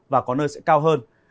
và có nơi sẽ cao hơn